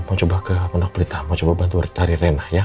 mau coba ke pendakwupelita mau coba bantu cari rena ya